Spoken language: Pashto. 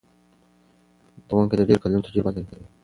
دا ښوونکی د ډېرو کلونو تجربه لري.